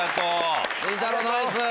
りんたろうナイス！